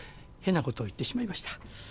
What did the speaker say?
変なことを言ってしまいました。